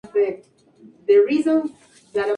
Las aves de corral cubren ampliamente la demanda local.